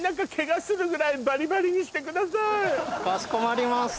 かしこまりました